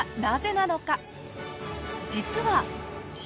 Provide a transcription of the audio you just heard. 実は。